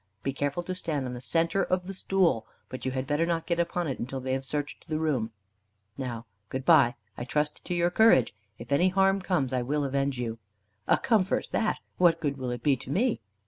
Be careful to stand on the centre of the stool. But you had better not get upon it until they have searched the room. Now, good bye. I trust to your courage. If any harm comes, I will avenge you." "A comfort that! What good will it be to me?"